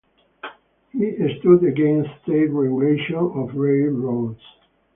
He stood against state regulation of railroads.